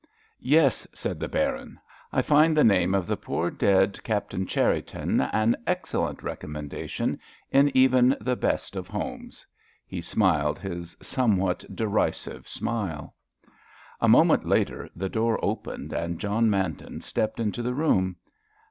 "Yes," said the Baron. "I find the name of the poor, dead Captain Cherriton an excellent recommendation in even the best of homes." He smiled his somewhat derisive smile. A moment later the door opened and John Manton stepped into the room.